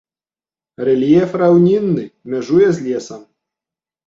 Рэльеф раўнінны, мяжуе з лесам.